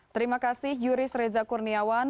terima kasih yuris reza kurniawan